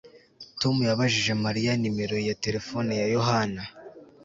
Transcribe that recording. Tom yabajije Mariya nimero ya terefone ya Yohana